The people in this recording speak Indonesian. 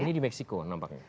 ini di meksiko nampaknya